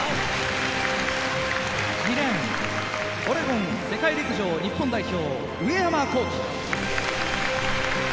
２レーンオレゴン世界陸上日本代表上山紘輝。